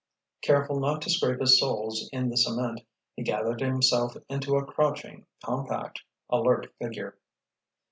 Careful not to scrape his soles in the cement, he gathered himself into a crouching, compact, alert figure.